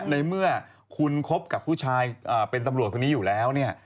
ในเมื่อคุณคบกับผู้ชายเป็นตำรวจคนนี้อยู่แล้วเนี่ย